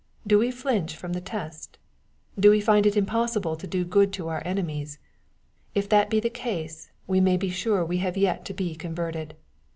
— Do we flinch from the test ? Do we find it im possible to do good to our enemies ? If that be the case, we may be sure we have yet to be converted.